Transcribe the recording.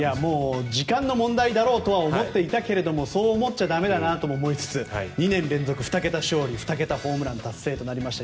時間の問題だろうとは思っていたけれどもそう思っちゃ駄目だなとも思いつつ２年連続２桁勝利２桁ホームラン達成となりました。